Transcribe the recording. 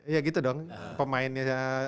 iya gitu dong pemainnya